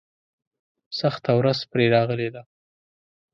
سخته ورځ پرې راغلې ده.